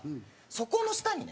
そこの下にね